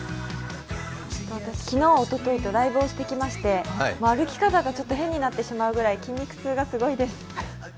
私、昨日、おとといとライブをしてきまして、歩き方が変になってしまうぐらい筋肉痛がつらいです。